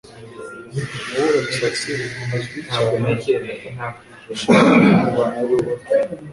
Nuwuhe musatsi uzwi cyane washakanye na Lulu?